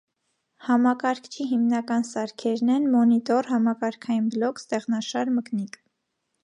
Համակարգչի հիմնական սարքերն են՝ մոնիտոր, համակարգային բլոկ, ստեղնաշար, մկնիկ։